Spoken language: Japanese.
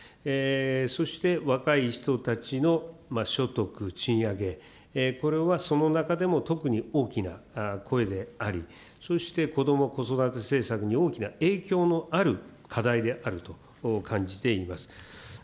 そして若い人たちの所得、賃上げ、これはその中でも特に大きな声であり、そしてこども・子育て政策に大きな影響のある課題であると感じています。